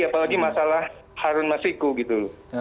apalagi masalah harun masiku gitu loh